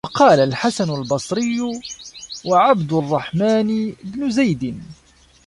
وَقَالَ الْحَسَنُ الْبَصْرِيُّ وَعَبْدُ الرَّحْمَنِ بْنُ زَيْدٍ